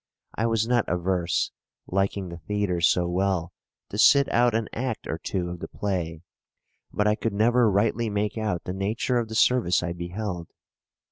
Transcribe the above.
I was not averse, liking the theatre so well, to sit out an act or two of the play, but I could never rightly make out the nature of the service I beheld.